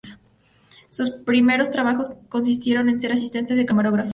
Sus primeros trabajos consistieron en ser asistente de camarógrafo.